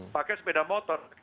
pakai sepeda motor